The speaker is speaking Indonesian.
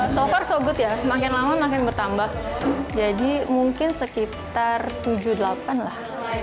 so far so good ya semakin lama makin bertambah jadi mungkin sekitar tujuh delapan lah